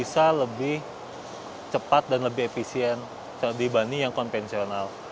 bisa lebih cepat dan lebih efisien dibanding yang konvensional